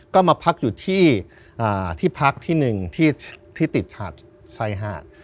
ก็มาพักอยู่ที่พักที่หนึ่งที่ติดฉาดชายหาด